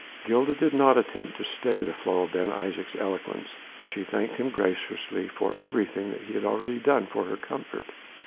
Gilda did not attempt to stay the flow of Ben Isaje's eloquence: she thanked him graciously for everything that he had already done for her comfort.